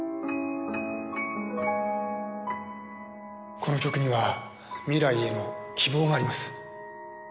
この曲には未来への希望があります。